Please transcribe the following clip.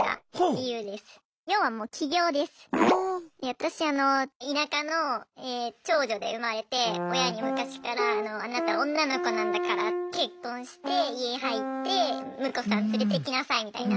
私あの田舎の長女で生まれて親に昔から「あなた女の子なんだから結婚して家入って婿さん連れてきなさい」みたいな。